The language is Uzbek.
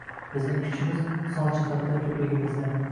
Bizning kuchimiz – son jihatidan ko‘pligimizda